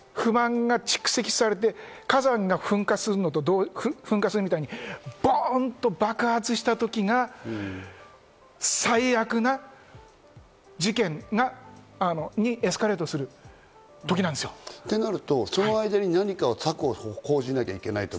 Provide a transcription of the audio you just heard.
そこで不満が蓄積されて、火山が噴火するみたいにボンっと爆発した時が最悪な事件にエスカレートする時なんですよ。となると、その間に何か策を講じなければいけない。